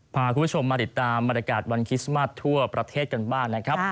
พาคุณผู้ชมมาติดตามบรรยากาศวันคริสต์มัสทั่วประเทศกันบ้างนะครับ